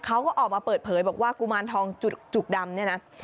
เขาก็ออกมาเปิดเผยบอกว่ากุมารทองจุกดำเนี่ยนะ